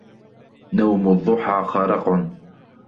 نَوْمُ الضُّحَى خَرَقٌ